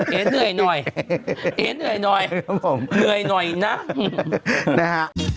โปรดติดตามตอนต่อไป